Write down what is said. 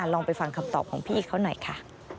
ลองไปฟังคำตอบของพี่เขาหน่อยค่ะ